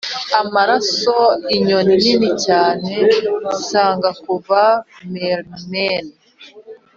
amaraso! inyoni nini cyane! saga kuva mermen